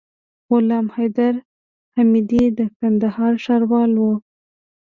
غلام حيدر حميدي د کندهار ښاروال وو.